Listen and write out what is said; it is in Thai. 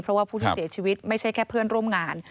เพราะว่าผู้ที่เสียชีวิตไม่ใช่แค่เพื่อนร่วมงาน